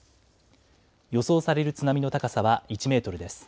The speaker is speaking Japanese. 予想される津波の高さは１メートルです。